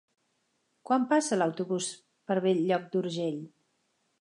Quan passa l'autobús per Bell-lloc d'Urgell?